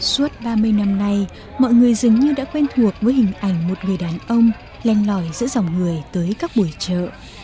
suốt ba mươi năm nay mọi người dường như đã quen thuộc với hình ảnh một người đàn ông len lòi giữa dòng người tới các buổi chợ